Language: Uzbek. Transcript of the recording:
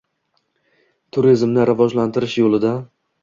Turizmni rivojlantirish yo‘lida